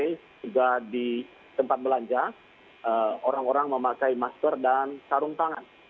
juga di tempat belanja orang orang memakai masker dan sarung tangan